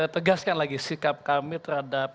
tegaskan lagi sikap kami terhadap